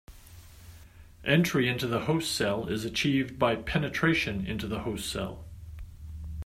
Entry into the host cell is achieved by penetration into the host cell.